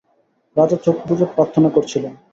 রাজা চোখ বুঁজে প্রার্থনা করছিলেন।